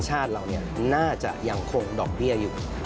ชาติเราน่าจะยังคงดอกเบี้ยอยู่